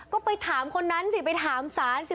ก็ไปถามคนนั้นสิไปถามศาลสิ